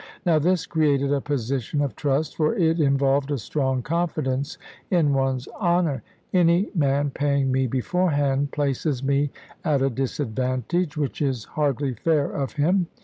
Now this created a position of trust, for it involved a strong confidence in one's honour. Any man paying me beforehand places me at a disadvantage, which is hardly fair of him.